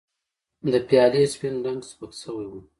د پیالې سپین رنګ سپک شوی و.